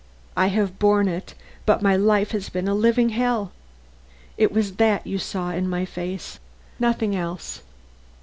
I have borne it; but my life has been a living hell. It was that you saw in my face nothing else."